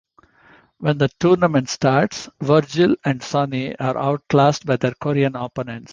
When the tournament starts, Virgil and Sonny are out classed by their Korean opponents.